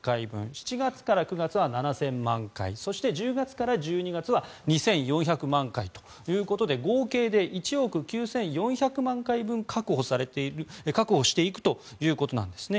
７月から９月は７０００万回そして、１０月から１２月は２４００万回ということで合計で１億９４００万回分確保していくということなんですね。